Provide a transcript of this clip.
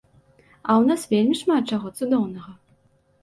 А ў нас вельмі шмат чаго цудоўнага.